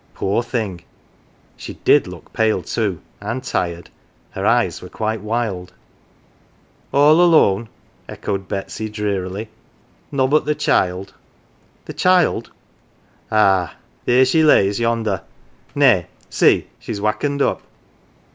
Poor thing, she did look pale too, and tired her eyes were quite wild. " All alone," echoed Betsy drearily, " nobbut the child." " The child ?"" Ah, theer she lays yonder. Nay, see, she's wakkened up."